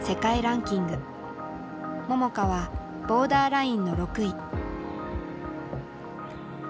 桃佳はボーダーラインの６位。